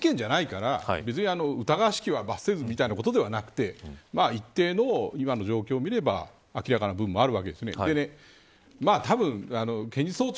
つまり刑事事件じゃないから別に、疑わしきは罰せずみたいなことではなくて一定の今の状況を見れば明らかな部分はあるわけですね。